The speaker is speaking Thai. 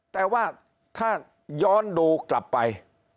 แต่ว่าถ้าย้อนดูกลับไป